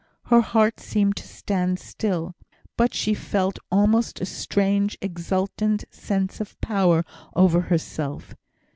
Her heart seemed to stand still, but she felt almost a strange exultant sense of power over herself.